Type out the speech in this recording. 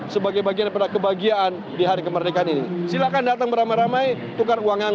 sebagai bagian pada kebahagiaan di hari kemerdekaan ini silakan datang beramai ramai tukar uang yang